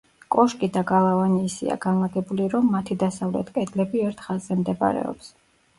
კოშკი და გალავანი ისეა განლაგებული, რომ მათი დასავლეთ კედლები ერთ ხაზზე მდებარეობს.